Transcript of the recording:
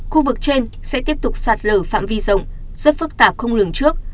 khu vực trên sẽ tiếp tục sạt lở phạm vi rộng rất phức tạp không lường trước